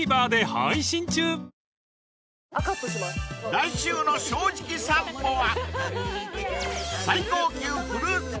［来週の『正直さんぽ』は］